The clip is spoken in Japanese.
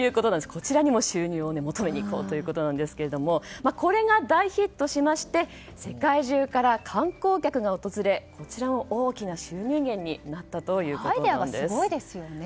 こちらにも収入を求めにいこうということですがこれが大ヒットしまして世界中から観光客が訪れこちらも収入源にアイデアがすごいですよね。